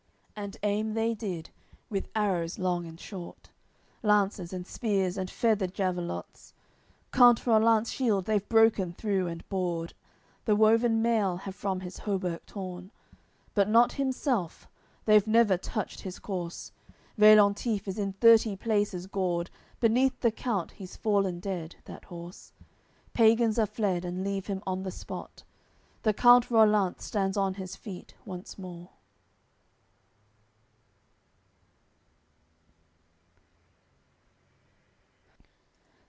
And aim they did: with arrows long and short, Lances and spears and feathered javelots; Count Rollant's shield they've broken through and bored, The woven mail have from his hauberk torn, But not himself, they've never touched his corse; Veillantif is in thirty places gored, Beneath the count he's fallen dead, that horse. Pagans are fled, and leave him on the spot; The count Rollant stands on his feet once more.